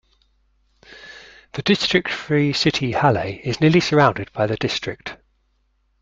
The district-free city Halle is nearly surrounded by the district.